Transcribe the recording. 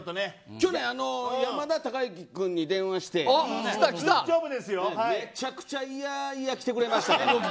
去年、山田孝之君に電話してめちゃくちゃいやいや来てくれました。